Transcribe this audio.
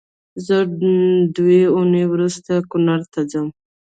زه دوې اونۍ روسته کونړ ته ځم